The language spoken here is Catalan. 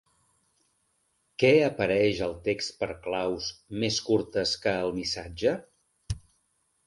Què apareix al text per claus més curtes que el missatge?